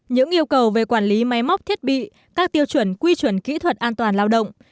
những yêu cầu về quản lý máy móc thiết bị các tiêu chuẩn quy chuẩn kỹ thuật an toàn lao động